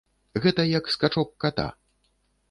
Гэта як скачок ката.